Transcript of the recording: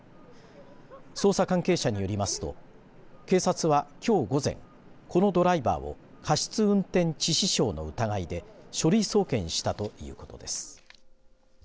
捜査関係者によりますと警察はきょう午前このドライバーを過失運転致死傷の疑いで書類送検したということです。